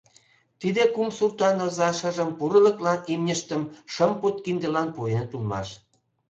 Тиде кум суртан оза шыжым пурылыклан имньыштым шым пуд киндылан пуэныт улмаш.